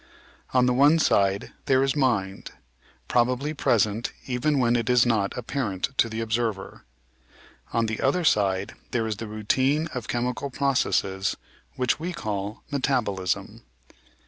On the one side there is "mind," probably present even when it is not ap parent to the observer; on the other side there is the routine of chemical processes which we call metabolism.